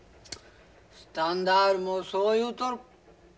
スタンダールもそう言うとる。